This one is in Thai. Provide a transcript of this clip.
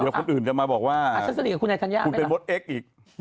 เดี๋ยวคนอื่นจะมาบอกว่าคุณเป็นบทเอ็กซ์อีก